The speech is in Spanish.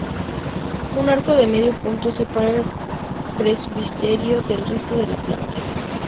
Un arco de medio punto separa el presbiterio del resto de la planta.